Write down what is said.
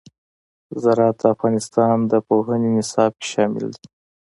زراعت د افغانستان د پوهنې نصاب کې شامل دي.